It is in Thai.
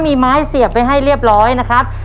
มีไม้เสียบไว้ให้เรียบร้อยนะครับ